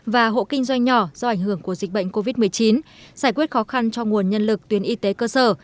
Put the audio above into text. và hộ kinh doanh nhỏ do ảnh hưởng của dịch bệnh covid một mươi chín giải quyết khó khăn cho nguồn nhân lực tuyến y tế cơ sở